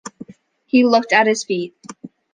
He looked at his feet.